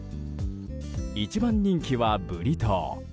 一番人気はブリトー。